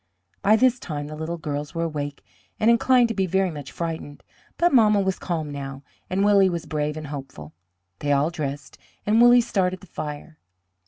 By this time the little girls were awake and inclined to be very much frightened, but mamma was calm now, and Willie was brave and hopeful. They all dressed, and Willie started the fire.